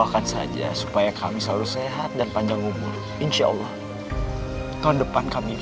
jadi saya sudah menganggap bu mimi